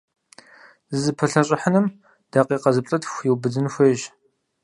ЗызыпылъэщӀыхьыным дакъикъэ зыплӏытху иубыдын хуейщ.